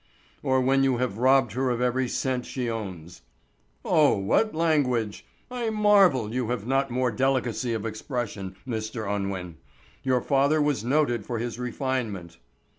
"Or when you have robbed her of every cent she owns." "Oh, what language! I marvel you have not more delicacy of expression, Mr. Unwin. Your father was noted for his refinement."